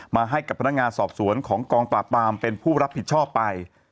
ให้กับพนักงานสอบสวนของกองปราบปรามเป็นผู้รับผิดชอบไป